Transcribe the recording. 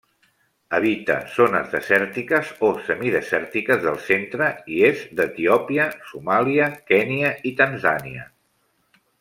Habita zones desèrtiques o semidesèrtiques del centre i est d'Etiòpia, Somàlia, Kenya i Tanzània.